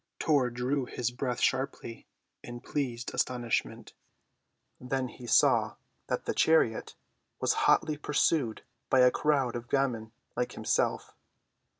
Tor drew his breath sharply in pleased astonishment. Then he saw that the chariot was hotly pursued by a crowd of gamins like himself.